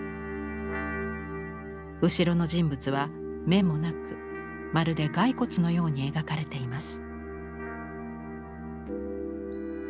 後ろの人物は目もなくまるで骸骨のように描かれています。